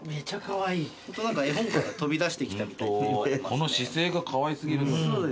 この姿勢がかわい過ぎる。